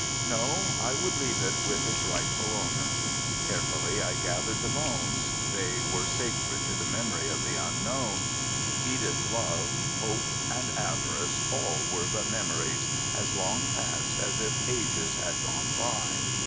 No, I would leave it with its rightful owner. Carefully I gathered the bones, they were sacred to the memory of the unknown. Edith's love, hope and avarice all were but memories, as long passed as if ages had gone by.